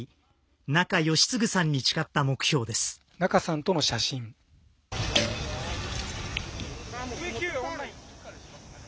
仲喜嗣さんに誓った目標です。